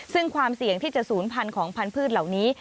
ซึ่งความเสี่ยงที่จะศูนย์พันธุ์ของพันธุ์เหล่านี้